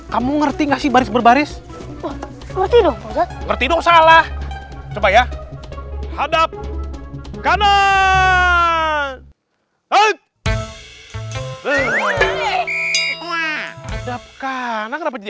kamu ngerti ngasih baris baris ngerti dong salah coba ya hadap kanan